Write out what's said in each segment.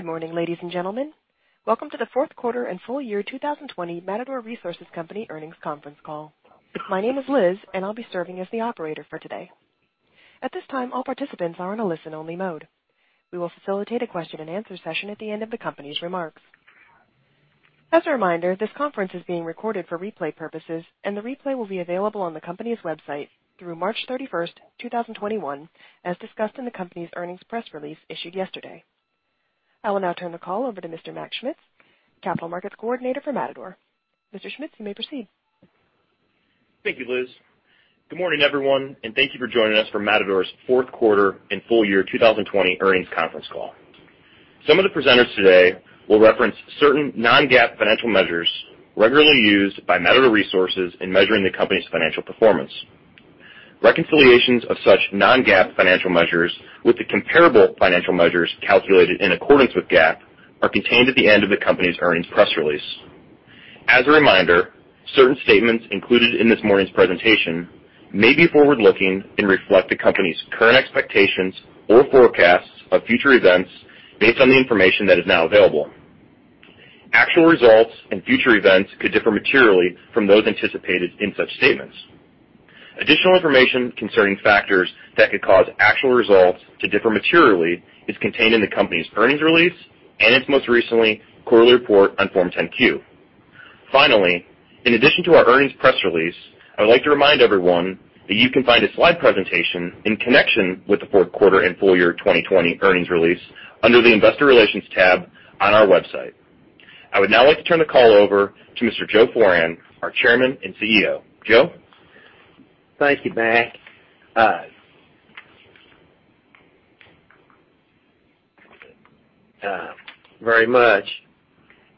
Good morning, ladies and gentlemen. Welcome to the fourth quarter and full year 2020 Matador Resources Company earnings conference call. My name is Liz, and I'll be serving as the operator for today. At this time, all participants are in a listen-only mode. We will facilitate a question and answer session at the end of the company's remarks. As a reminder, this conference is being recorded for replay purposes, and the replay will be available on the company's website through March 31st, 2021, as discussed in the company's earnings press release issued yesterday. I will now turn the call over to Mr. Mac Schmitz, Capital Markets Coordinator for Matador. Mr. Schmitz, you may proceed. Thank you, Liz. Good morning, everyone, and thank you for joining us for Matador's fourth quarter and full year 2020 earnings conference call. Some of the presenters today will reference certain non-GAAP financial measures regularly used by Matador Resources in measuring the company's financial performance. Reconciliations of such non-GAAP financial measures with the comparable financial measures calculated in accordance with GAAP are contained at the end of the company's earnings press release. As a reminder, certain statements included in this morning's presentation may be forward-looking and reflect the company's current expectations or forecasts of future events based on the information that is now available. Actual results and future events could differ materially from those anticipated in such statements. Additional information concerning factors that could cause actual results to differ materially is contained in the company's earnings release and its most recently quarterly report on Form 10-Q. Finally, in addition to our earnings press release, I would like to remind everyone that you can find a slide presentation in connection with the fourth quarter and full year 2020 earnings release under the investor relations tab on our website. I would now like to turn the call over to Mr. Joseph Foran, our Chairman and CEO. Joe? Thank you, Mac, very much,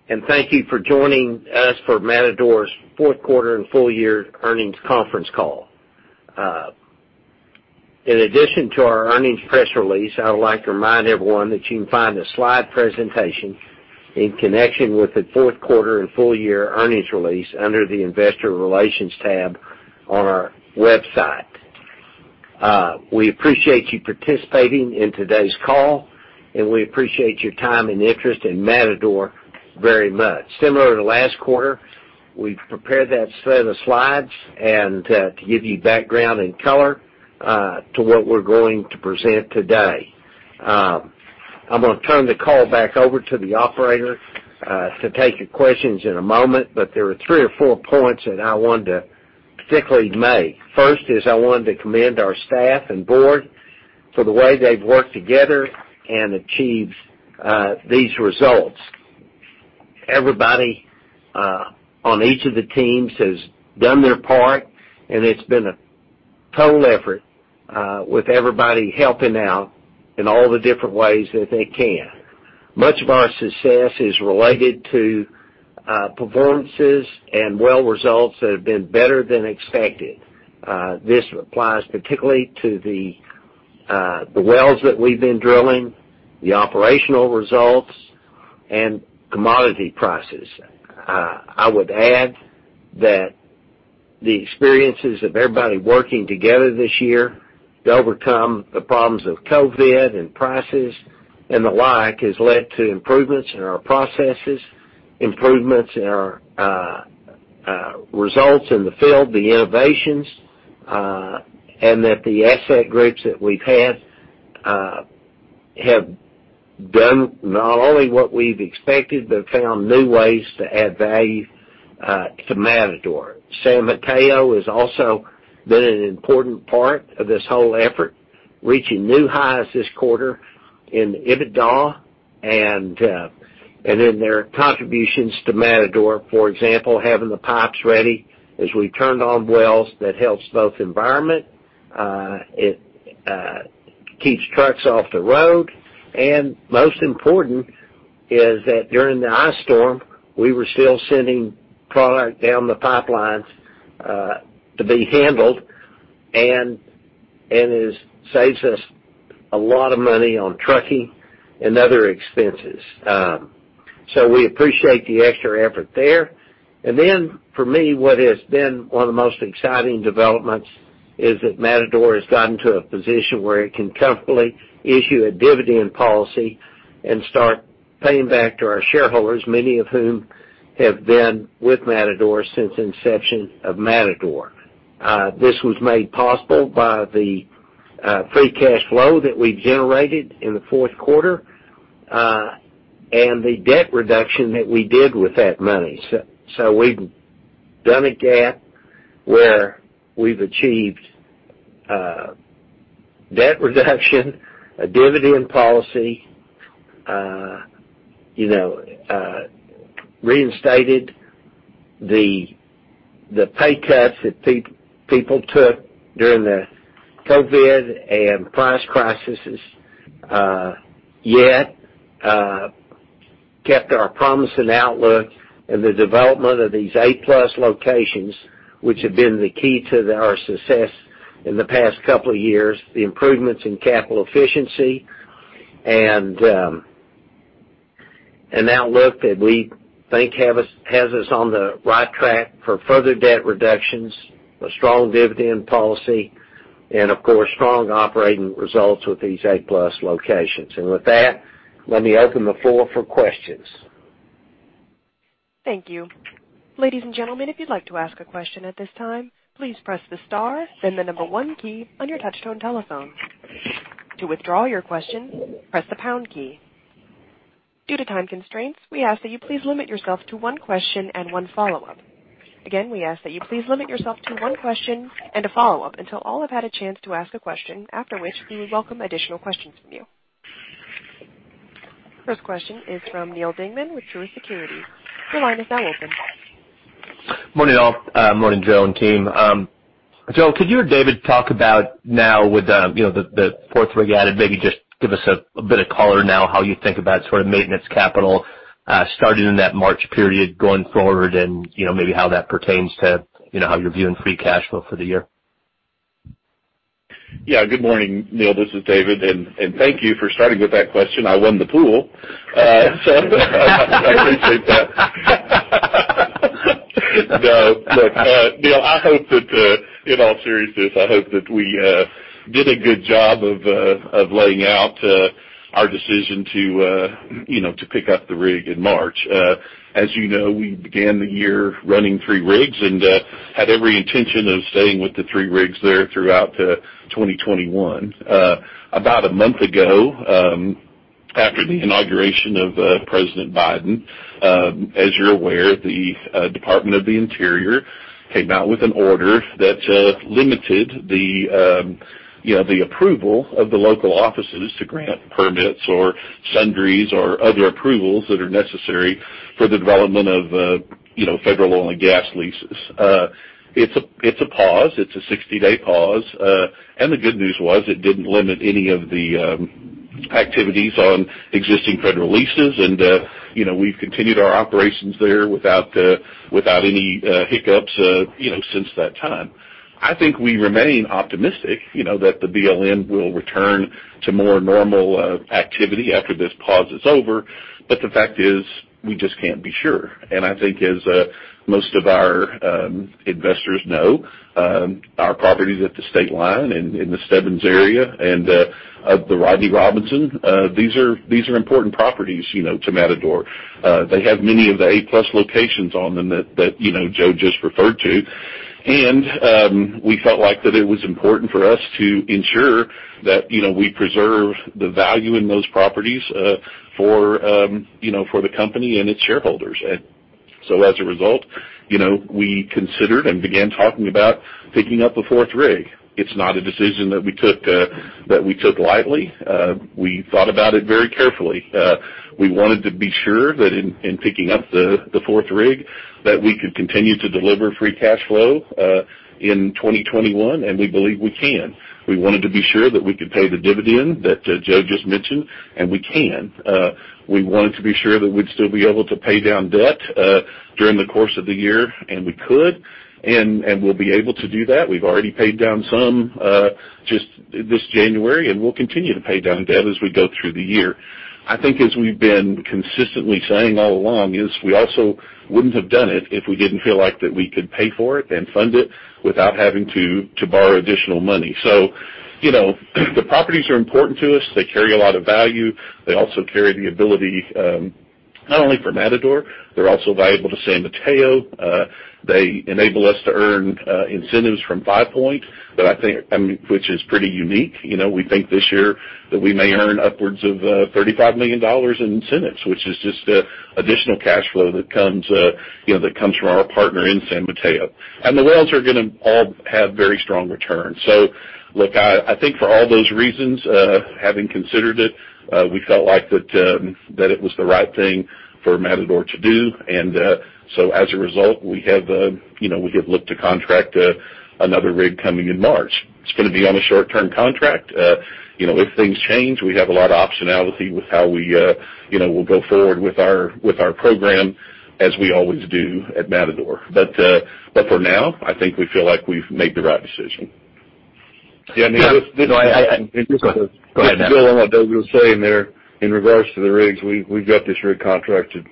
and thank you for joining us for Matador's fourth quarter and full year earnings conference call. In addition to our earnings press release, I would like to remind everyone that you can find a slide presentation in connection with the fourth quarter and full year earnings release under the investor relations tab on our website. We appreciate you participating in today's call, and we appreciate your time and interest in Matador very much. Similar to last quarter, we've prepared that set of slides and to give you background and color to what we're going to present today. I'm going to turn the call back over to the operator to take your questions in a moment, but there are three or four points that I wanted to particularly make. First is I wanted to commend our staff and board for the way they've worked together and achieved these results. Everybody on each of the teams has done their part, and it's been a total effort with everybody helping out in all the different ways that they can. Much of our success is related to performances and well results that have been better than expected. This applies particularly to the wells that we've been drilling, the operational results, and commodity prices. I would add that the experiences of everybody working together this year to overcome the problems of COVID and prices and the like has led to improvements in our processes, improvements in our results in the field, the innovations, and that the asset groups that we've had have done not only what we've expected but found new ways to add value to Matador. San Mateo has also been an important part of this whole effort, reaching new highs this quarter in EBITDA and in their contributions to Matador. For example, having the pipes ready as we turned on wells that helps both environment, it keeps trucks off the road, and most important is that during the ice storm, we were still sending product down the pipelines to be handled and it saves us a lot of money on trucking and other expenses. We appreciate the extra effort there. For me, what has been one of the most exciting developments is that Matador has gotten to a position where it can comfortably issue a dividend policy and start paying back to our shareholders, many of whom have been with Matador since inception of Matador. This was made possible by the free cash flow that we generated in the fourth quarter and the debt reduction that we did with that money. We've done a GAAP where we've achieved debt reduction, a dividend policy, reinstated the pay cuts that people took during the COVID and price crises, yet kept our promising outlook and the development of these A+ locations, which have been the key to our success in the past couple of years. An outlook that we think has us on the right track for further debt reductions, a strong dividend policy, and of course, strong operating results with these A+ locations. With that, let me open the floor for questions. Thank you. Ladies and gentlemen, if you'd like to ask a question at this time, please press the star, then the number one key on your touch-tone telephone. To withdraw your question, press the pound key. Due to time constraints, we ask that you please limit yourself to one question and one follow-up. Again, we ask that you please limit yourself to one question and a follow-up until all have had a chance to ask a question, after which we would welcome additional questions from you. First question is from Neal Dingmann with Truist Securities. Your line is now open. Morning, all. Morning, Joe and team. Joe, could you or David talk about now with the fourth rig added, maybe just give us a bit of color now how you think about sort of maintenance capital, starting in that March period going forward and maybe how that pertains to how you're viewing free cash flow for the year? Yeah. Good morning, Neal. This is David. Thank you for starting with that question. I won the pool. I appreciate that. Neal, in all seriousness, I hope that we did a good job of laying out our decision to pick up the rig in March. As you know, we began the year running three rigs and had every intention of staying with the three rigs there throughout 2021. About a month ago, after the inauguration of President Biden, as you're aware, the Department of the Interior came out with an order that limited the approval of the local offices to grant permits or sundries or other approvals that are necessary for the development of federal oil and gas leases. It's a pause. It's a 60-day pause. The good news was it didn't limit any of the activities on existing federal leases, and we've continued our operations there without any hiccups since that time. I think we remain optimistic that the BLM will return to more normal activity after this pause is over. The fact is, we just can't be sure. I think as most of our investors know, our properties at the Stateline in the Stebbins area and the Rodney Robinson, these are important properties to Matador. They have many of the A+ locations on them that Joe just referred to. We felt like that it was important for us to ensure that we preserve the value in those properties for the company and its shareholders. As a result, we considered and began talking about picking up a fourth rig. It's not a decision that we took lightly. We thought about it very carefully. We wanted to be sure that in picking up the fourth rig, that we could continue to deliver free cash flow in 2021, and we believe we can. We wanted to be sure that we could pay the dividend that Joe just mentioned, and we can. We wanted to be sure that we'd still be able to pay down debt during the course of the year, and we could, and we'll be able to do that. We've already paid down some just this January, and we'll continue to pay down debt as we go through the year. I think as we've been consistently saying all along is we also wouldn't have done it if we didn't feel like that we could pay for it and fund it without having to borrow additional money. The properties are important to us. They carry a lot of value. They also carry the ability, not only for Matador, they're also valuable to San Mateo. They enable us to earn incentives from FivePoint, which is pretty unique. We think this year that we may earn upwards of $35 million in incentives, which is just additional cash flow that comes from our partner in San Mateo. The wells are going to all have very strong returns. Look, I think for all those reasons, having considered it, we felt like that it was the right thing for Matador to do, and so as a result, we have looked to contract another rig coming in March. It's going to be on a short-term contract. If things change, we have a lot of optionality with how we'll go forward with our program as we always do at Matador. For now, I think we feel like we've made the right decision. Yeah, Neal. Go ahead. Joe, on what David was saying there in regards to the rigs, we've got this rig contracted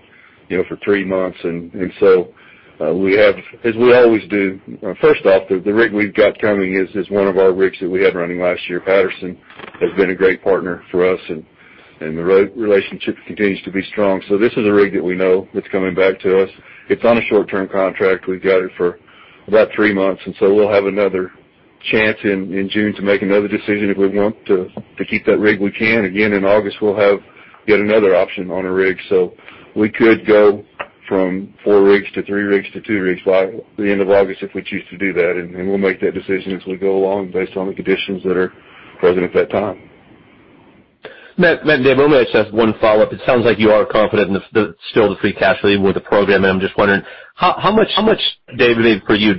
for three months. We have, as we always do. First off, the rig we've got coming is one of our rigs that we had running last year. Patterson has been a great partner for us. The relationship continues to be strong. This is a rig that we know that's coming back to us. It's on a short-term contract. We've got it for about three months. We'll have another chance in June to make another decision if we want to keep that rig, we can. Again, in August, we'll have yet another option on a rig. We could go from four rigs to three rigs to two rigs by the end of August if we choose to do that, and we'll make that decision as we go along based on the conditions that are present at that time. Matt and David, I just have one follow-up. It sounds like you are confident in still the free cash flow with the program. I'm just wondering how much, David, for you,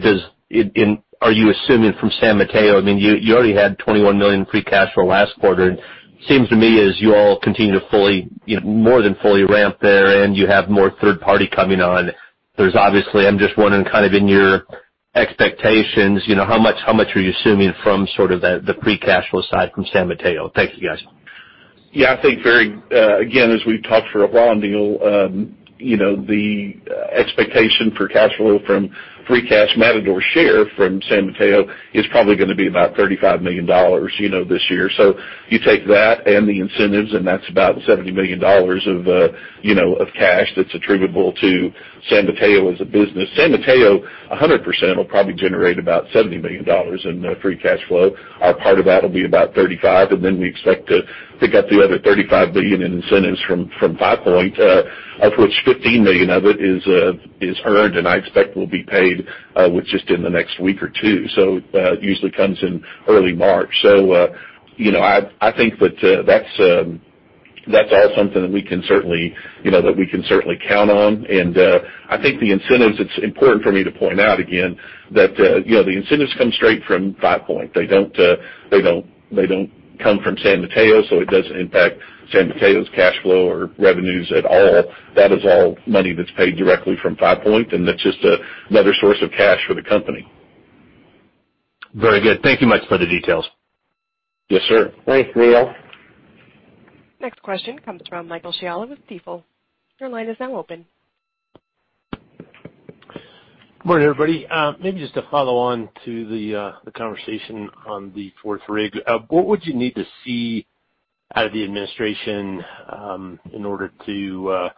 are you assuming from San Mateo? You already had $21 million in free cash flow last quarter. It seems to me as you all continue to more than fully ramp there and you have more third party coming on. I'm just wondering in your expectations, how much are you assuming from the free cash flow side from San Mateo? Thank you, guys. I think, again, as we've talked for a while, Neal, the expectation for cash flow from free cash Matador share from San Mateo is probably going to be about $35 million this year. You take that and the incentives, and that's about $70 million of cash that's attributable to San Mateo as a business. San Mateo, 100% will probably generate about $70 million in free cash flow. Our part of that will be about $35 million, and then we expect to pick up the other $35 million in incentives from FivePoint, of which $15 million of it is earned and I expect will be paid, which is in the next week or two. It usually comes in early March. I think that's all something that we can certainly count on. I think the incentives, it's important for me to point out again that the incentives come straight from FivePoint. They don't come from San Mateo, so it doesn't impact San Mateo's cash flow or revenues at all. That is all money that's paid directly from FivePoint, and that's just another source of cash for the company. Very good. Thank you much for the details. Yes, sir. Thanks, Neal. Next question comes from Michael Scialla with Stifel. Your line is now open. Good morning, everybody. Maybe just to follow on to the conversation on the fourth rig. What would you need to see out of the administration in order to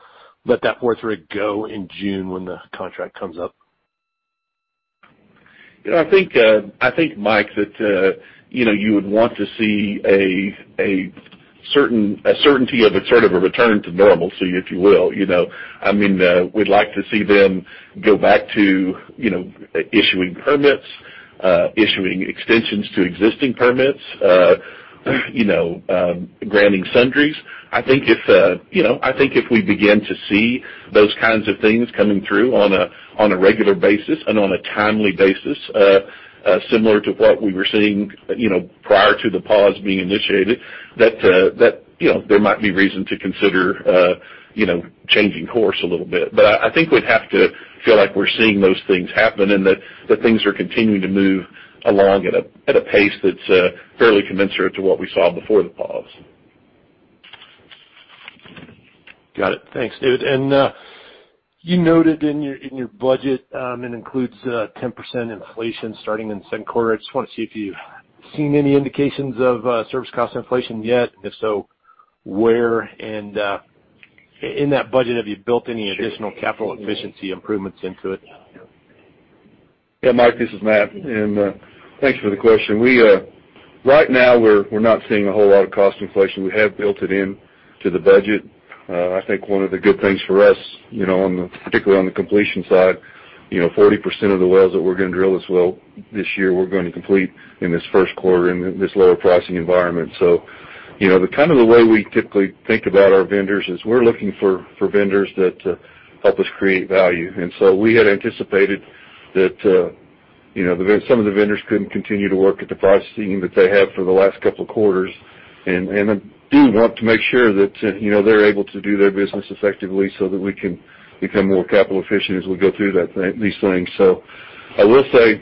let that fourth rig go in June when the contract comes up? I think, Mike, that you would want to see a certainty of a sort of a return to normalcy, if you will. We'd like to see them go back to issuing permits, issuing extensions to existing permits, granting sundries. I think if we begin to see those kinds of things coming through on a regular basis and on a timely basis, similar to what we were seeing prior to the pause being initiated, there might be reason to consider changing course a little bit. I think we'd have to feel like we're seeing those things happen and that things are continuing to move along at a pace that's fairly commensurate to what we saw before the pause. Got it. Thanks, David. You noted in your budget it includes 10% inflation starting in the second quarter. I just want to see if you've seen any indications of service cost inflation yet. If so, where? In that budget, have you built any additional capital efficiency improvements into it? Yeah, Mike, this is Matt. Thanks for the question. Right now, we're not seeing a whole lot of cost inflation. We have built it into the budget. I think one of the good things for us, particularly on the completion side, 40% of the wells that we're going to drill this year, we're going to complete in this first quarter in this lower pricing environment. The way we typically think about our vendors is we're looking for vendors that help us create value. We had anticipated that some of the vendors couldn't continue to work at the pricing that they have for the last couple of quarters. I do want to make sure that they're able to do their business effectively so that we can become more capital efficient as we go through these things. I will say,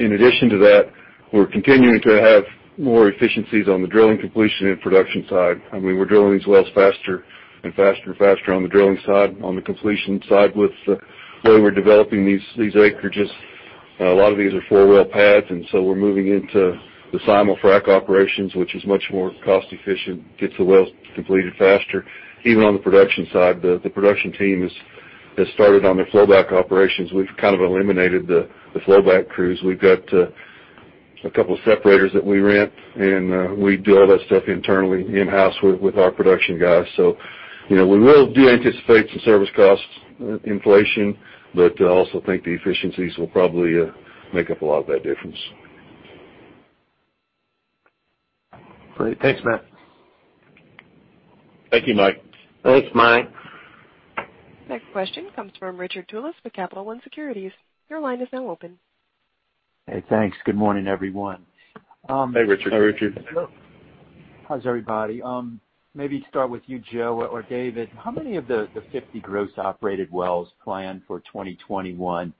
in addition to that, we're continuing to have more efficiencies on the drilling completion and production side. I mean, we're drilling these wells faster and faster and faster on the drilling side. On the completion side, with the way we're developing these acreages, a lot of these are four-well pads, and so we're moving into the simul-frac operations, which is much more cost-efficient, gets the wells completed faster. Even on the production side, the production team has started on their flowback operations. We've kind of eliminated the flowback crews. We've got a couple of separators that we rent, and we do all that stuff internally in-house with our production guys. We will anticipate some service costs inflation, but I also think the efficiencies will probably make up a lot of that difference. Great. Thanks, Matt. Thank you, Mike. Thanks, Mike. Next question comes from Richard Tullis with Capital One Securities. Your line is now open. Hey, thanks. Good morning, everyone. Hey, Richard. Hey, Richard. How's everybody? Maybe start with you, Joe or David. How many of the 50 gross operated wells planned for 2021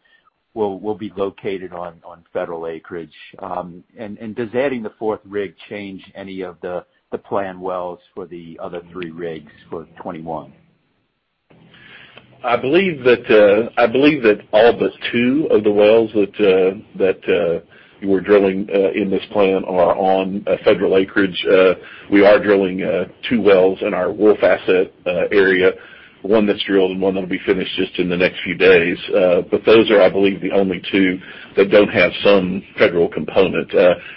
will be located on federal acreage? Does adding the fourth rig change any of the planned wells for the other three rigs for 2021? I believe that all but two of the wells that we're drilling in this plan are on federal acreage. We are drilling two wells in our Wolf asset area, one that's drilled and one that'll be finished just in the next few days. Those are, I believe, the only two that don't have some federal component.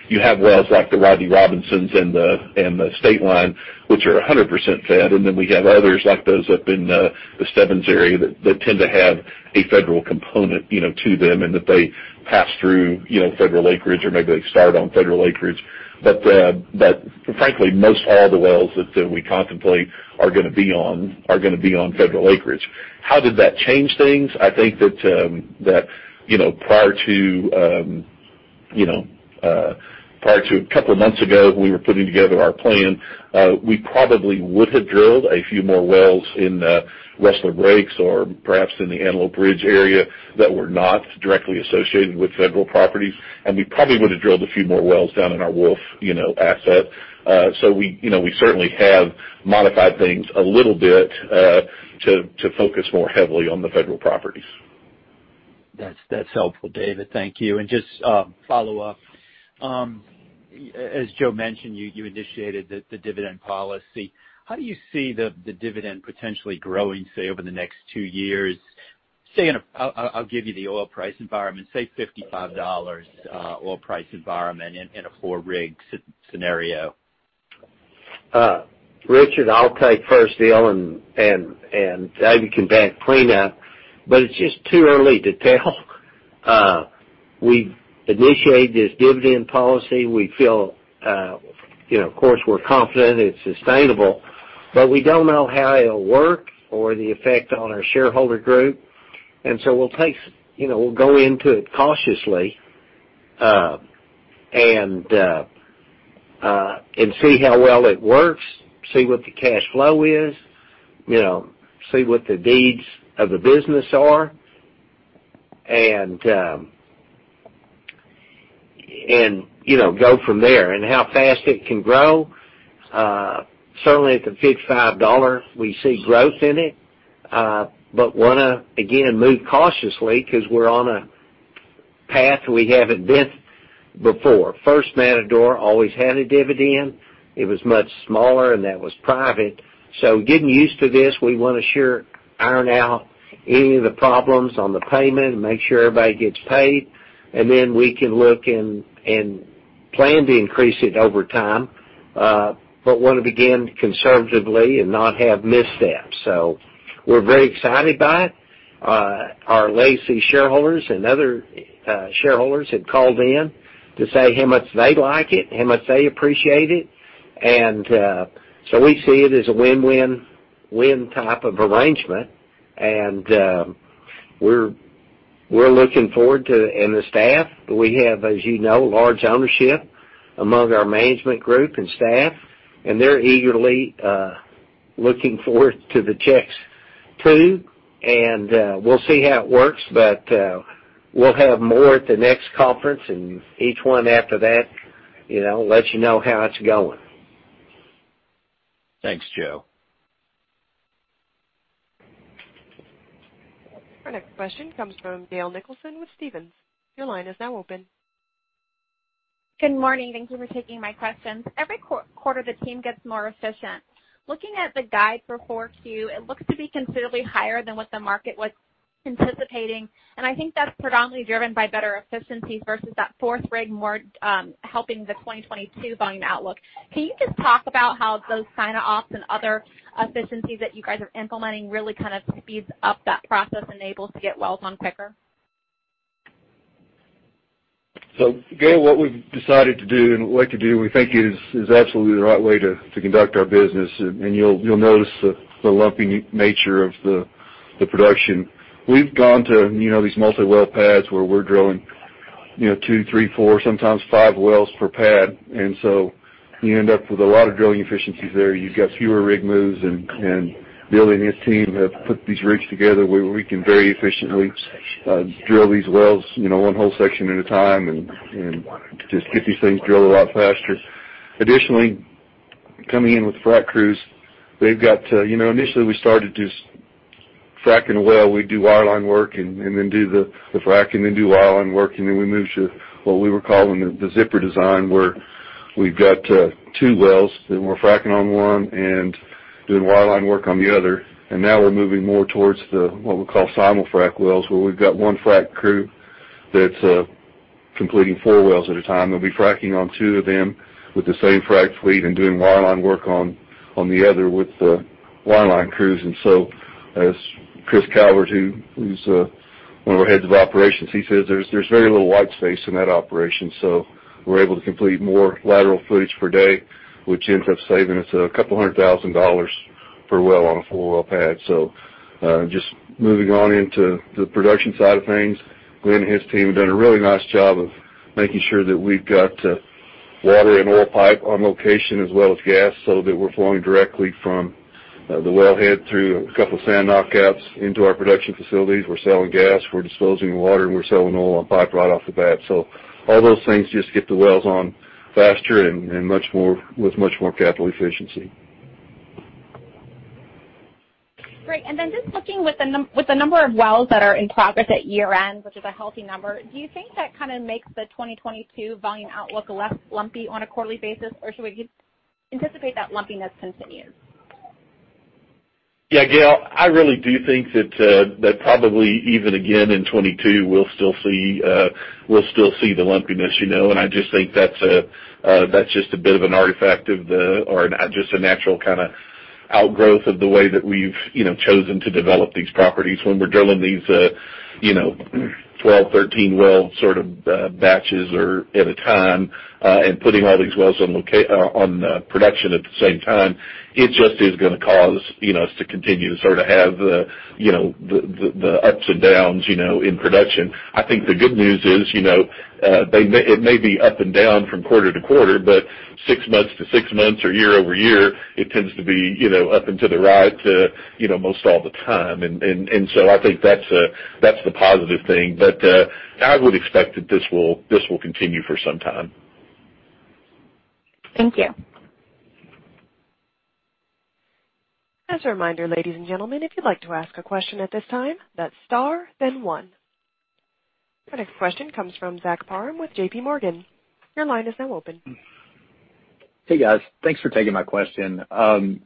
You have wells like the Rodney Robinsons and the Stateline, which are 100% fed, then we have others like those up in the Stebbins area that tend to have a federal component to them, that they pass through federal acreage, or maybe they start on federal acreage. Frankly, most all the wells that we contemplate are going to be on federal acreage. How did that change things? I think that prior to Prior to a couple of months ago, we were putting together our plan. We probably would have drilled a few more wells in Rustler Breaks or perhaps in the Antelope Ridge area that were not directly associated with federal properties, and we probably would've drilled a few more wells down in our Wolf asset. We certainly have modified things a little bit to focus more heavily on the federal properties. That's helpful, David. Thank you. Just follow up. As Joe mentioned, you initiated the dividend policy. How do you see the dividend potentially growing, say, over the next two years? I'll give you the oil price environment, say $55 oil price environment in a four-rig scenario. Richard, I'll take first deal, and David can back clean up, but it's just too early to tell. We initiate this dividend policy. Of course, we're confident it's sustainable, but we don't know how it'll work or the effect on our shareholder group. So we'll go into it cautiously, and see how well it works, see what the cash flow is. See what the needs of the business are, and go from there. How fast it can grow? Certainly at the $55, we see growth in it, want to, again, move cautiously because we're on a path we haven't been before. Matador always had a dividend. It was much smaller, and that was private. Getting used to this, we want to sure iron out any of the problems on the payment and make sure everybody gets paid. We can look and plan to increase it over time. Want to begin conservatively and not have missteps. We're very excited by it. Our legacy shareholders and other shareholders had called in to say how much they like it, how much they appreciate it. We see it as a win-win-win type of arrangement. We're looking forward to. The staff. We have, as you know, large ownership among our management group and staff. They're eagerly looking forward to the checks, too. We'll see how it works. We'll have more at the next conference and each one after that, let you know how it's going. Thanks, Joe. Our next question comes from Gail Nicholson with Stephens. Your line is now open. Good morning. Thank you for taking my questions. Every quarter the team gets more efficient. Looking at the guide for Q4, it looks to be considerably higher than what the market was anticipating. I think that's predominantly driven by better efficiency versus that fourth rig more helping the 2022 volume outlook. Can you just talk about how those simul-fracs and other efficiencies that you guys are implementing really kind of speeds up that process and enables to get wells on quicker? Gail, what we've decided to do and what to do, we think is absolutely the right way to conduct our business, and you'll notice the lumpy nature of the production. We've gone to these multi-well pads where we're drilling two, three, four, sometimes five wells per pad, and so you end up with a lot of drilling efficiencies there. You've got fewer rig moves, and Billy and his team have put these rigs together where we can very efficiently drill these wells one whole section at a time and just get these things drilled a lot faster. Additionally, coming in with frac crews, initially we started just fracking a well. We'd do wireline work and then do the fracking, then do wireline work, and then we moved to what we were calling the zipper design, where we've got two wells, then we're fracking on one and doing wireline work on the other. Now we're moving more towards the what we call simul-frac wells, where we've got one frac crew that's completing four wells at a time. They'll be fracking on two of them with the same frac fleet and doing wireline work on the other with the wireline crews. As Chris Calvert, who's one of our heads of operations, he says there's very little white space in that operation, so we're able to complete more lateral footage per day, which ends up saving us a couple hundred thousand dollars per well on a four-well pad. Just moving on into the production side of things. Glenn and his team have done a really nice job of making sure that we've got water and oil pipe on location as well as gas, so that we're flowing directly from the wellhead through a couple of sand knockouts into our production facilities. We're selling gas, we're disposing the water, and we're selling oil on pipe right off the bat. All those things just get the wells on faster and with much more capital efficiency. Great. Just looking with the number of wells that are in progress at year-end, which is a healthy number, do you think that kind of makes the 2022 volume outlook less lumpy on a quarterly basis, or should we anticipate that lumpiness continues? Yeah, Gail, I really do think that probably even again in 2022, we'll still see the lumpiness. I just think that's just a bit of an artifact of the or just a natural kind of. Outgrowth of the way that we've chosen to develop these properties when we're drilling these 12, 13 well sort of batches or at a time, and putting all these wells on production at the same time, it just is going to cause us to continue to have the ups and downs in production. I think the good news is, it may be up and down from quarter to quarter, but six months to six months or year-over-year, it tends to be up and to the right most all the time. I think that's the positive thing. I would expect that this will continue for some time. Thank you. As a reminder, ladies and gentlemen, if you'd like to ask a question at this time, that's star then one. Our next question comes from Zach Parham with JPMorgan. Your line is now open. Hey, guys. Thanks for taking my question.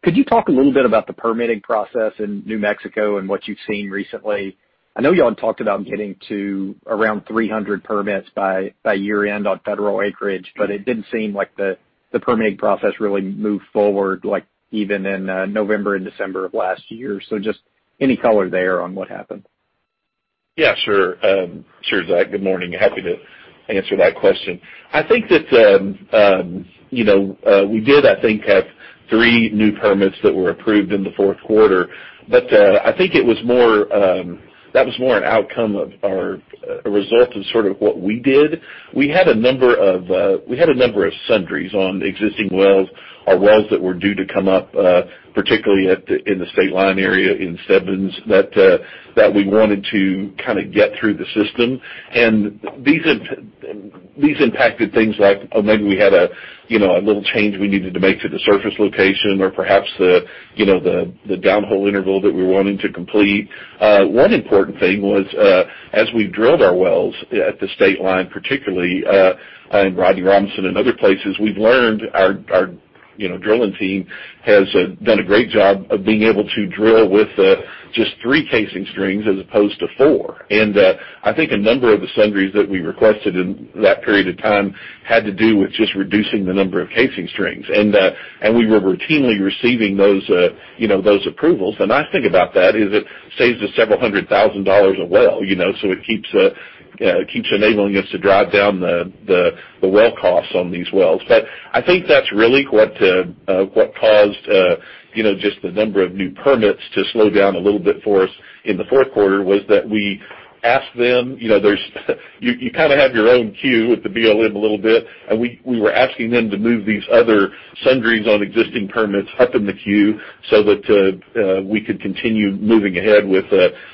Could you talk a little bit about the permitting process in New Mexico and what you've seen recently? I know y'all had talked about getting to around 300 permits by year-end on federal acreage, but it didn't seem like the permitting process really moved forward, even in November and December of last year. Just any color there on what happened. Yeah, sure. Sure, Zach. Good morning. Happy to answer that question. I think that we did have three new permits that were approved in the fourth quarter. I think that was more a result of sort of what we did. We had a number of sundries on existing wells or wells that were due to come up, particularly in the Stateline area in Stebbins that we wanted to kind of get through the system. These impacted things like, maybe we had a little change we needed to make to the surface location or perhaps the downhole interval that we were wanting to complete. One important thing was, as we've drilled our wells at the Stateline, particularly, and Rodney Robinson and other places, we've learned our drilling team has done a great job of being able to drill with just three casing strings as opposed to four. I think a number of the sundries that we requested in that period of time had to do with just reducing the number of casing strings. We were routinely receiving those approvals. The nice thing about that is it saves us several hundred thousand dollars a well, so it keeps enabling us to drive down the well costs on these wells. I think that's really what caused just the number of new permits to slow down a little bit for us in the fourth quarter was that we asked them. You kind of have your own queue with the BLM a little bit, and we were asking them to move these other sundries on existing permits up in the queue so that we could continue moving ahead with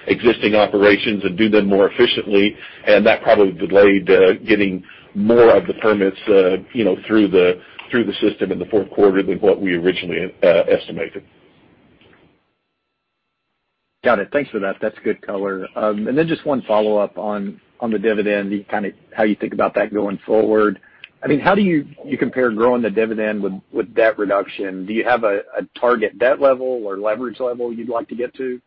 existing operations and do them more efficiently. That probably delayed getting more of the permits through the system in the fourth quarter than what we originally estimated. Got it. Thanks for that. That's good color. Then just one follow-up on the dividend, how you think about that going forward. How do you compare growing the dividend with debt reduction? Do you have a target debt level or leverage level you'd like to get to?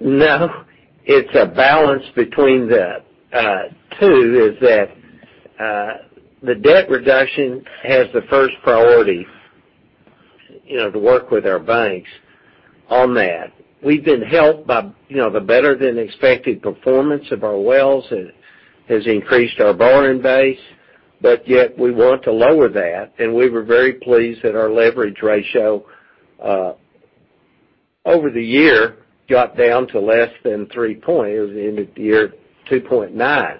No. It's a balance between the two. The debt reduction has the first priority, to work with our banks on that. We've been helped by the better than expected performance of our wells. It has increased our borrowing base, yet we want to lower that, and we were very pleased that our leverage ratio, over the year, got down to less than 3.0. It was end of year, 2.9.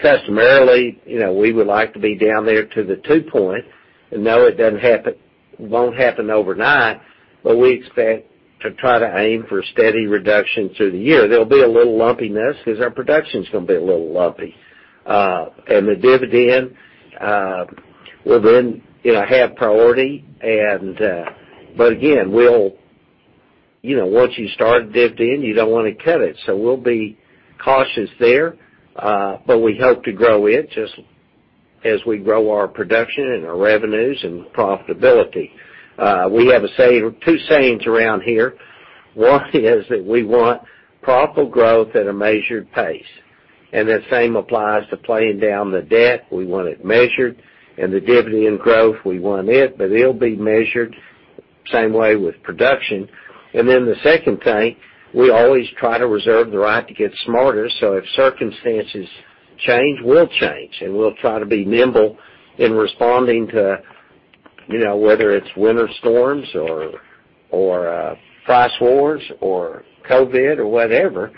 Customarily, we would like to be down there to the 2.0. We know it won't happen overnight, we expect to try to aim for steady reduction through the year. There'll be a little lumpiness because our production's going to be a little lumpy. The dividend will then have priority. Again, once you start a dividend, you don't want to cut it. We'll be cautious there, but we hope to grow it just as we grow our production and our revenues and profitability. We have two sayings around here. One is that we want profitable growth at a measured pace, and that same applies to paying down the debt. We want it measured, and the dividend growth, we want it, but it'll be measured same way with production. The second thing, we always try to reserve the right to get smarter. If circumstances change, we'll change, and we'll try to be nimble in responding to whether it's winter storms or price wars or COVID or whatever.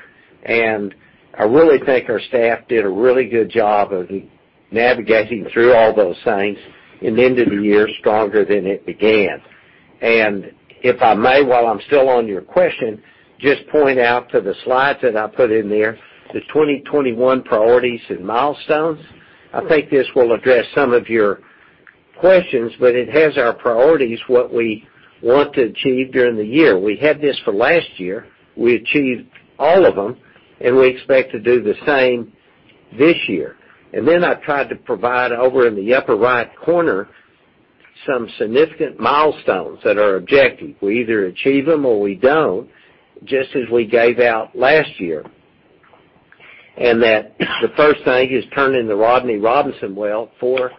I really think our staff did a really good job of navigating through all those things and ended the year stronger than it began. If I may, while I'm still on your question, just point out to the slides that I put in there, the 2021 priorities and milestones. I think this will address some of your questions, but it has our priorities, what we want to achieve during the year. We had this for last year. We achieved all of them, and we expect to do the same this year. I tried to provide, over in the upper right corner, some significant milestones that are objective. We either achieve them or we don't, just as we gave out last year. The first thing is turning the Rodney Robinson well, four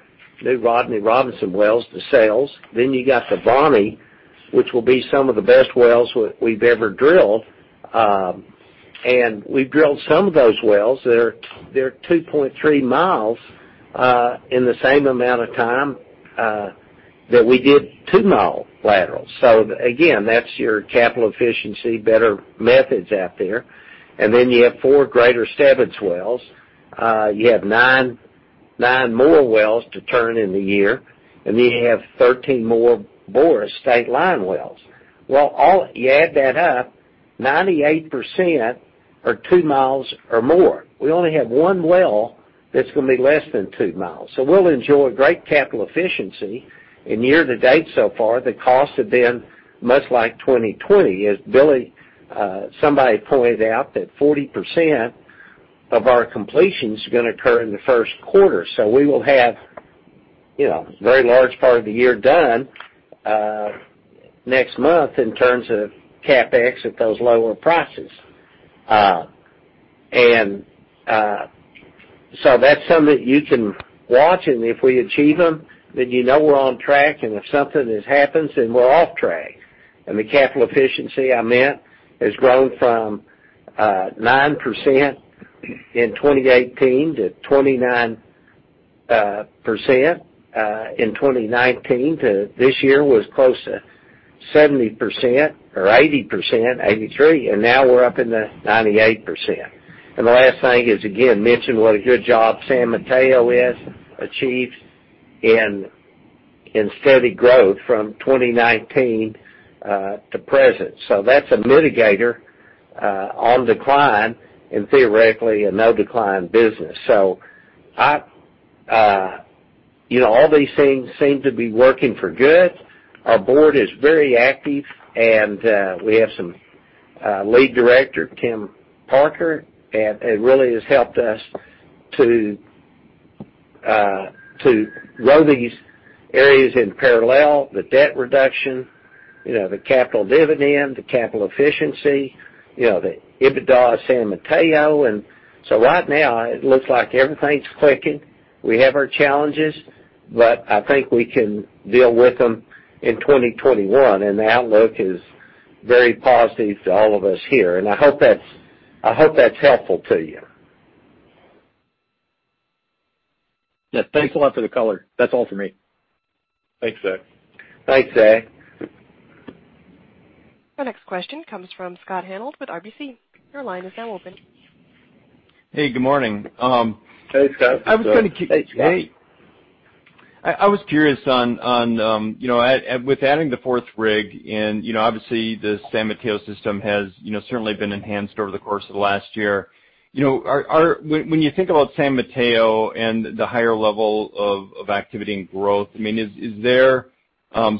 new Rodney Robinson wells to sales. You got the Voni, which will be some of the best wells we've ever drilled. We've drilled some of those wells, they're 2.3 miles in the same amount of time that we did 2-mile laterals. Again, that's your capital efficiency, better methods out there. You have four Greater Stebbins Area wells. You have nine more wells to turn in the year, and then you have 13 more Boros Stateline wells. You add that up, 98% are 2 miles or more. We only have one well that's going to be less than 2 miles. We'll enjoy great capital efficiency. In year to date so far, the cost had been much like 2020. Somebody pointed out that 40% of our completions are going to occur in the first quarter. We will have a very large part of the year done next month in terms of CapEx at those lower prices. That's something that you can watch, and if we achieve them, then you know we're on track, and if something happens, then we're off track. The capital efficiency, I meant, has grown from 9% in 2018 to 29% in 2019 to this year was close to 70% or 80%, 83%, and now we're up in the 98%. The last thing is, again, mention what a good job San Mateo has achieved in steady growth from 2019 to present. That's a mitigator on decline in theoretically a no-decline business. All these things seem to be working for good. Our board is very active, and we have some Lead Director, Tim Parker, and really has helped us to grow these areas in parallel, the debt reduction, the capital dividend, the capital efficiency, the EBITDA San Mateo. Right now it looks like everything's clicking. We have our challenges, but I think we can deal with them in 2021, and the outlook is very positive to all of us here. I hope that's helpful to you. Yes. Thanks a lot for the color. That's all for me. Thanks, Zach. Thanks, Zach. Our next question comes from Scott Hanold with RBC Capital Markets. Your line is now open. Hey, good morning. Hey, Scott. Hey, Scott. I was curious on with adding the fourth rig, obviously, the San Mateo system has certainly been enhanced over the course of the last year. When you think about San Mateo and the higher level of activity and growth, is there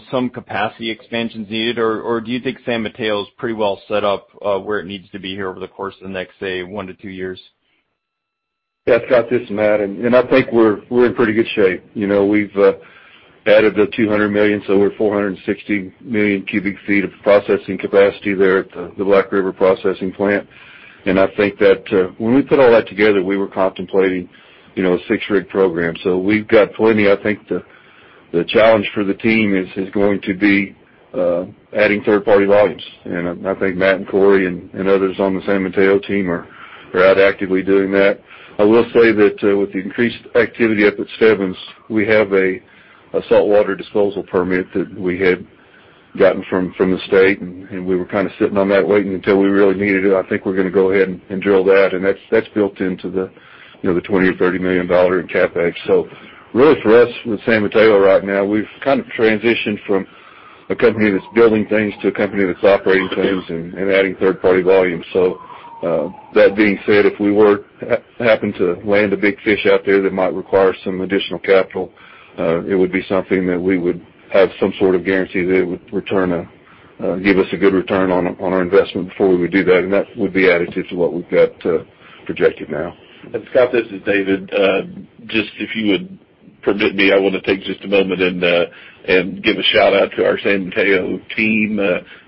some capacity expansions needed, or do you think San Mateo is pretty well set up where it needs to be here over the course of the next, say, one to two years? Scott, this is Matt, and I think we're in pretty good shape. We've added the 200 million cubic feet, so we're at 460 million cubic feet of processing capacity there at the Black River processing plant. I think that when we put all that together, we were contemplating a six-rig program. We've got plenty. I think the challenge for the team is going to be adding third-party volumes. I think Matt and Corey and others on the San Mateo team are out actively doing that. I will say that with the increased activity up at Stebbins, we have a saltwater disposal permit that we had gotten from the state, and we were kind of sitting on that waiting until we really needed it. I think we're going to go ahead and drill that, and that's built into the $20 million or $30 million in CapEx. Really for us with San Mateo right now, we've kind of transitioned from a company that's building things to a company that's operating things and adding third-party volume. That being said, if we were happen to land a big fish out there that might require some additional capital, it would be something that we would have some sort of guarantee that it would give us a good return on our investment before we would do that, and that would be added to what we've got projected now. Scott, this is David. Just if you would permit me, I want to take just a moment and give a shout-out to our San Mateo team,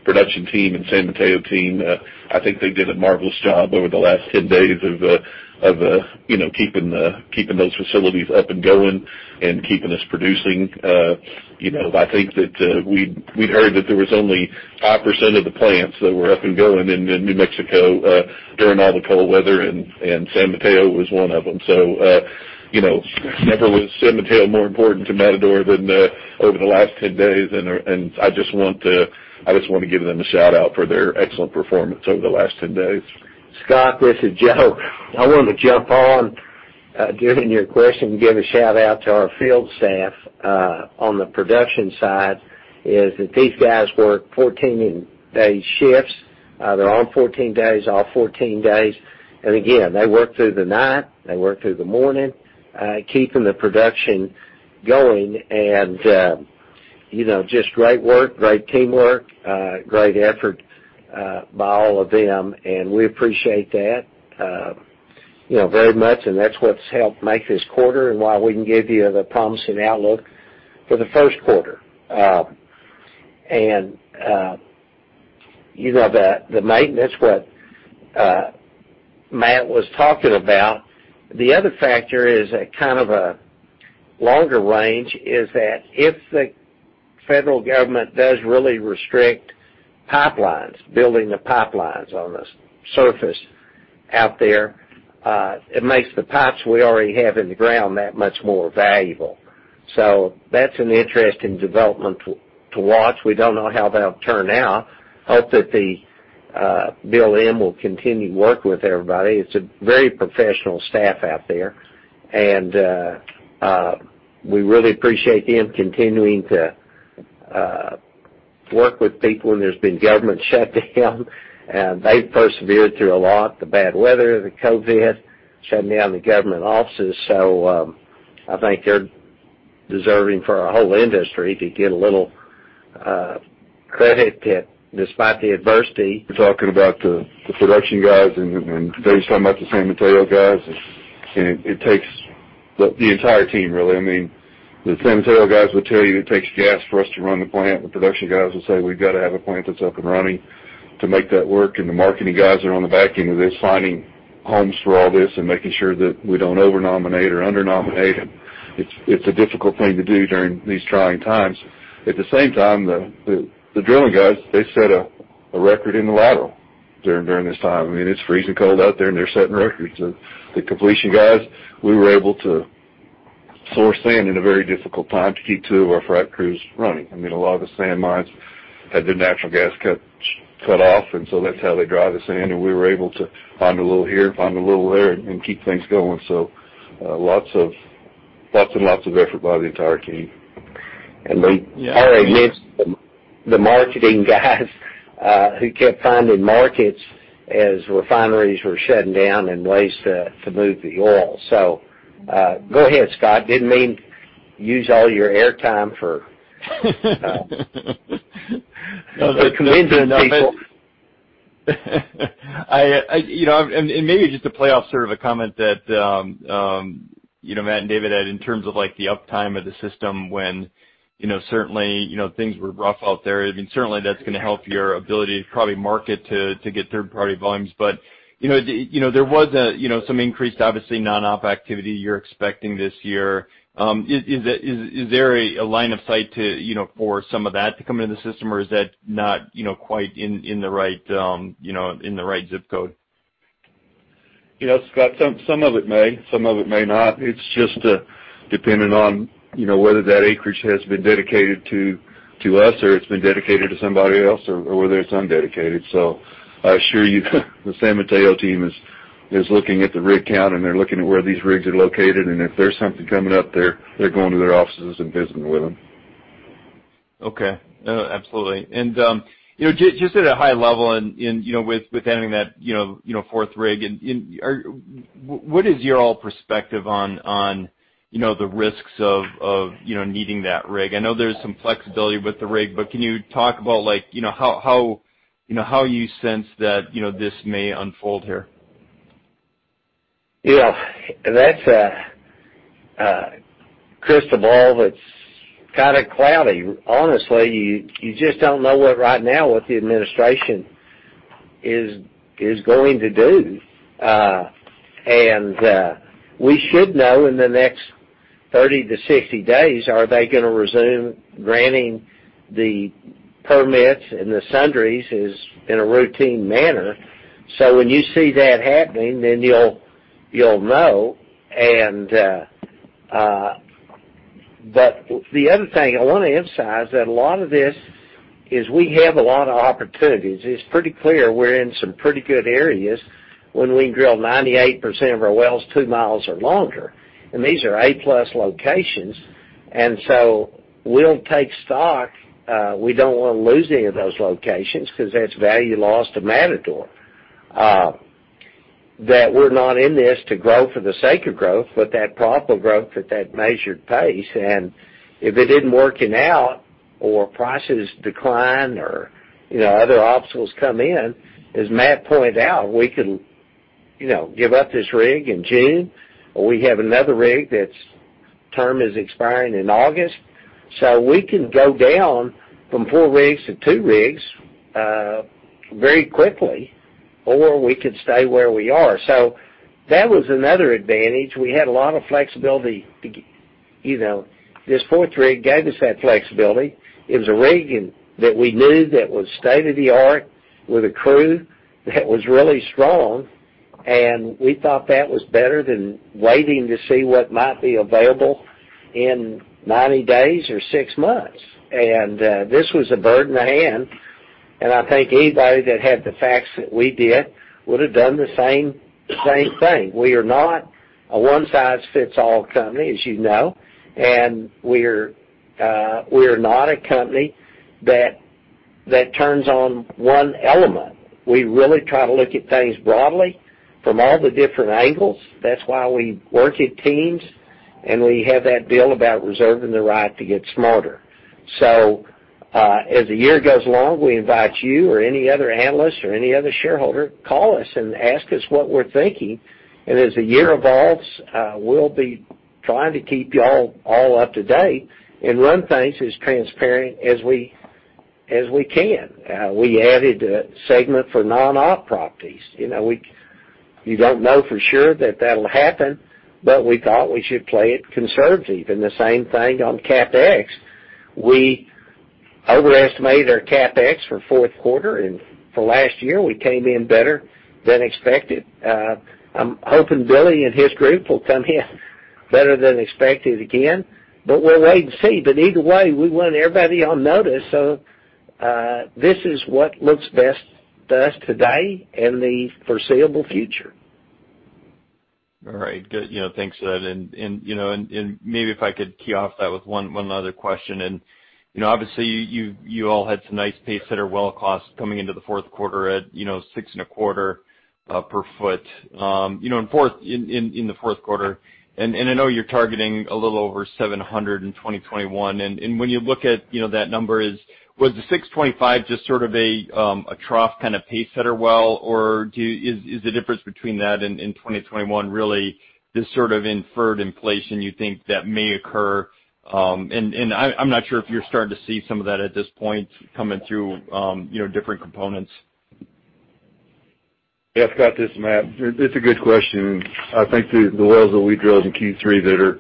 production team and San Mateo team. I think they did a marvelous job over the last 10 days of keeping those facilities up and going and keeping us producing. I think that we'd heard that there was only 5% of the plants that were up and going in New Mexico during all the cold weather, and San Mateo was one of them. Never was San Mateo more important to Matador than over the last 10 days, and I just want to give them a shout-out for their excellent performance over the last 10 days. Scott, this is Joe. I wanted to jump on during your question and give a shout-out to our field staff on the production side, is that these guys work 14-day shifts. They're on 14 days, off 14 days. Again, they work through the night, they work through the morning, keeping the production going, and just great work, great teamwork, great effort by all of them, and we appreciate that very much, and that's what's helped make this quarter and why we can give you the promising outlook for the first quarter. The maintenance, what Matt was talking about. The other factor is kind of a longer range, is that if the federal government does really restrict pipelines, building the pipelines on the surface out there, it makes the pipes we already have in the ground that much more valuable. That's an interesting development to watch. We don't know how that'll turn out. We hope that the BLM will continue to work with everybody. It's a very professional staff out there, we really appreciate them continuing to work with people when there's been government shutdown. They've persevered through a lot, the bad weather, the COVID, shutting down the government offices. I think they're deserving for our whole industry to get a little credit despite the adversity. Talking about the production guys, David's talking about the San Mateo guys. It takes the entire team, really. The San Mateo guys will tell you it takes gas for us to run the plant. The production guys will say we've got to have a plant that's up and running to make that work. The marketing guys are on the back end of this, finding homes for all this and making sure that we don't over nominate or under nominate. It's a difficult thing to do during these trying times. At the same time, the drilling guys, they set a record in the lateral during this time. It's freezing cold out there, and they're setting records. The completion guys, we were able to source sand in a very difficult time to keep two of our frac crews running. A lot of the sand mines had their natural gas cut off, and so that's how they dry the sand, and we were able to find a little here, find a little there, and keep things going. Lots and lots of effort by the entire team. They already mentioned the marketing guys who kept finding markets as refineries were shutting down and ways to move the oil. Go ahead, Scott. Didn't mean to use all your air time convincing people. Maybe just to play off sort of a comment that Matt and David had in terms of the uptime of the system when certainly, things were rough out there. Certainly, that's going to help your ability to probably market to get third-party volumes. There was some increased, obviously, non-op activity you're expecting this year. Is there a line of sight for some of that to come into the system, or is that not quite in the right zip code? Scott, some of it may, some of it may not. It's just dependent on whether that acreage has been dedicated to us or it's been dedicated to somebody else or whether it's undedicated. I assure you the San Mateo team is looking at the rig count, and they're looking at where these rigs are located, and if there's something coming up, they're going to their offices and visiting with them. Okay. No, absolutely. Just at a high level and with adding that fourth rig in, what is your all perspective on the risks of needing that rig? I know there's some flexibility with the rig, can you talk about how you sense that this may unfold here? Yeah. That's a crystal ball that's kinda cloudy. Honestly, you just don't know right now what the administration is going to do. We should know in the next 30 to 60 days, are they gonna resume granting the permits and the sundries in a routine manner? When you see that happening, then you'll know. The other thing I want to emphasize that a lot of this is we have a lot of opportunities. It's pretty clear we're in some pretty good areas when we drill 98% of our wells 2 miles or longer, and these are A+ locations. We'll take stock. We don't want to lose any of those locations because that's value lost to Matador. That we're not in this to grow for the sake of growth, but that proper growth at that measured pace. If it isn't working out or prices decline or other obstacles come in, as Matt pointed out, we can give up this rig in June, or we have another rig that's term is expiring in August. We can go down from four rigs to two rigs very quickly, or we could stay where we are. That was another advantage. We had a lot of flexibility. This fourth rig gave us that flexibility. It was a rig that we knew that was state-of-the-art with a crew that was really strong, and we thought that was better than waiting to see what might be available in 90 days or six months. This was a bird in the hand, and I think anybody that had the facts that we did would have done the same thing. We are not a one-size-fits-all company, as you know. We're not a company that turns on one element. We really try to look at things broadly from all the different angles. That's why we work in teams, and we have that deal about reserving the right to get smarter. As the year goes along, we invite you or any other analyst or any other shareholder, call us and ask us what we're thinking. As the year evolves, we'll be trying to keep you all up to date and run things as transparent as we can. We added a segment for non-op properties. You don't know for sure that that'll happen, but we thought we should play it conservative. The same thing on CapEx. We overestimated our CapEx for fourth quarter, and for last year, we came in better than expected. I'm hoping Billy and his group will come in better than expected again. We'll wait and see. Either way, we want everybody on notice. This is what looks best to us today and the foreseeable future. All right. Good. Thanks for that. Maybe if I could key off that with one other question. Obviously, you all had some nice pacesetter well costs coming into the fourth quarter at $625 per ft in the fourth quarter. I know you're targeting a little over $700 in 2021. When you look at that number, was the $625 just sort of a trough kind of pacesetter well? Or is the difference between that and 2021 really this sort of inferred inflation you think that may occur? I'm not sure if you're starting to see some of that at this point coming through different components. Yeah. I've got this, Matt. It's a good question. I think the wells that we drilled in Q3 that are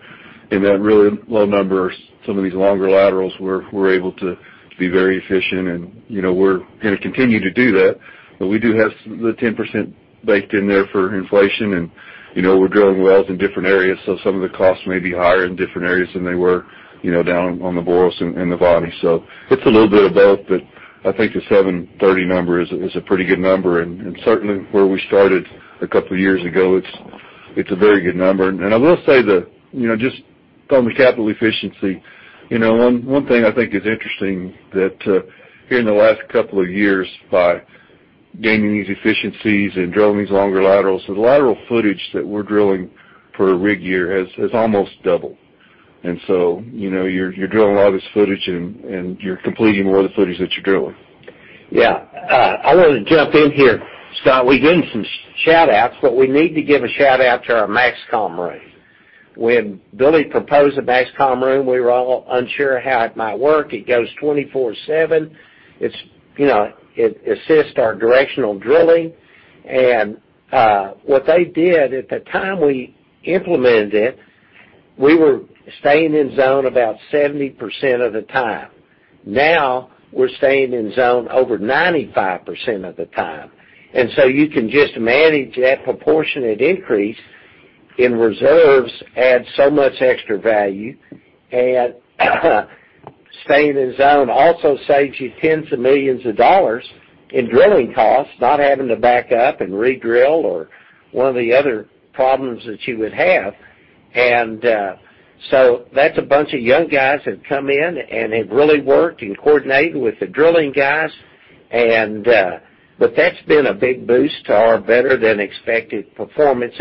in that really low number are some of these longer laterals where we're able to be very efficient, and we're going to continue to do that. We do have the 10% baked in there for inflation, and we're drilling wells in different areas. Some of the costs may be higher in different areas than they were down on the Boros and the Voni. It's a little bit of both, but I think the $730 number is a pretty good number. Certainly, where we started a couple of years ago, it's a very good number. I will say that just on the capital efficiency, one thing I think is interesting that here in the last couple of years, by gaining these efficiencies and drilling these longer laterals, the lateral footage that we're drilling per rig year has almost doubled. You're drilling a lot of this footage and you're completing more of the footage that you're drilling. Yeah. I want to jump in here. Scott, we gave some shout-outs. We need to give a shout-out to our MaxCom room. When Billy proposed the MaxCom room, we were all unsure how it might work. It goes 24/7. It assists our directional drilling. What they did at the time we implemented it, we were staying in zone about 70% of the time. Now we're staying in zone over 95% of the time. You can just manage that proportionate increase in reserves, adds so much extra value. Staying in zone also saves you tens of millions of dollars in drilling costs, not having to back up and redrill or one of the other problems that you would have. That's a bunch of young guys that have come in and have really worked and coordinated with the drilling guys. That's been a big boost to our better than expected performance.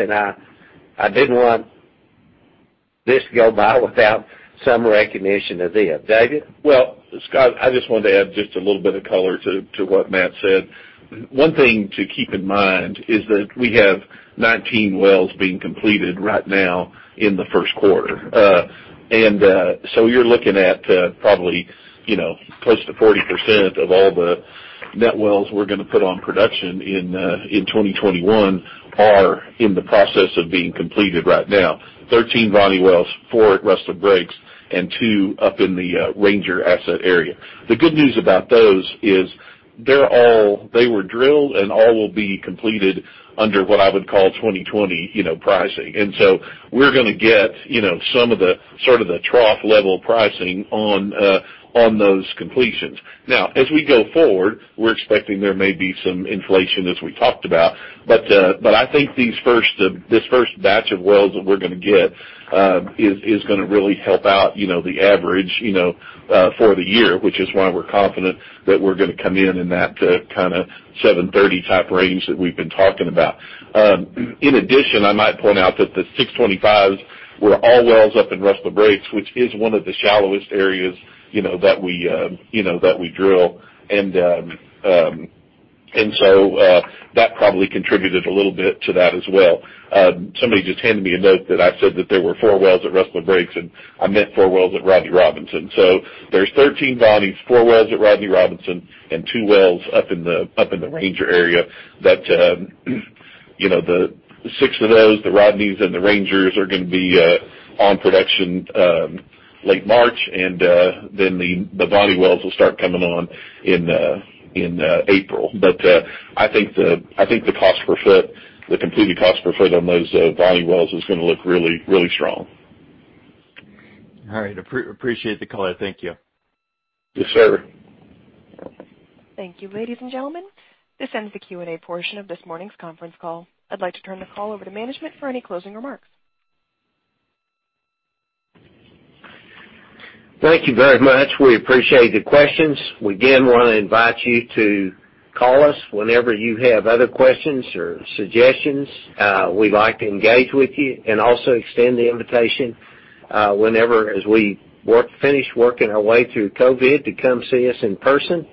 I didn't want this to go by without some recognition of them. David? Well, Scott, I just wanted to add just a little bit of color to what Matt said. One thing to keep in mind is that we have 19 wells being completed right now in the first quarter. You're looking at probably close to 40% of all the net wells we're going to put on production in 2021 are in the process of being completed right now. 13 Voni wells, four at Rustler Breaks, and two up in the Ranger asset area. The good news about those is they were drilled and all will be completed under what I would call 2020 pricing. We're going to get some of the sort of the trough level pricing on those completions. Now, as we go forward, we're expecting there may be some inflation as we talked about. I think this first batch of wells that we're going to get is going to really help out the average for the year, which is why we're confident that we're going to come in in that kind of 730 type range that we've been talking about. In addition, I might point out that the $625s were all wells up in Rustler Breaks, which is one of the shallowest areas that we drill. That probably contributed a little bit to that as well. Somebody just handed me a note that I said that there were four wells at Rustler Breaks, and I meant four wells at Rodney Robinson. There's 13 Vonis, four wells at Rodney Robinson, and two wells up in the Ranger area. The six of those, the Rodneys and the Rangers, are going to be on production late March, and then the Voni wells will start coming on in April. I think the completed cost per foot on those Voni wells is going to look really strong. All right. Appreciate the color. Thank you. Yes, sir. Thank you, ladies and gentlemen. This ends the Q&A portion of this morning's conference call. I'd like to turn the call over to management for any closing remarks. Thank you very much. We appreciate the questions. We again want to invite you to call us whenever you have other questions or suggestions. We'd like to engage with you and also extend the invitation whenever as we finish working our way through COVID to come see us in person.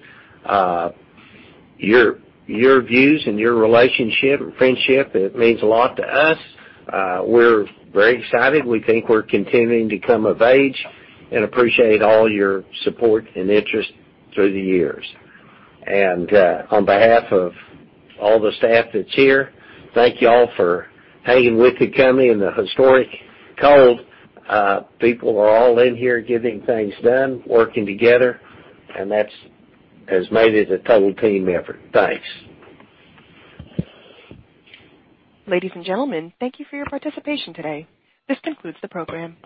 Your views and your relationship, friendship, it means a lot to us. We're very excited. We think we're continuing to come of age and appreciate all your support and interest through the years. On behalf of all the staff that's here, thank you all for hanging with the company in the historic cold. People are all in here getting things done, working together, and that has made it a total team effort. Thanks. Ladies and gentlemen, thank you for your participation today. This concludes the program.